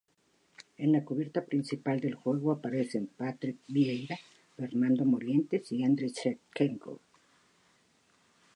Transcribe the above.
En la cubierta principal del juego aparecen Patrick Vieira, Fernando Morientes y Andriy Shevchenko.